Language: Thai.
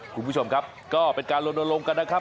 คุณผู้ชมครับก็เป็นการลนลงกันนะครับ